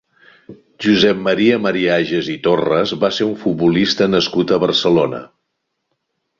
Josep Maria Mariages i Torres va ser un futbolista nascut a Barcelona.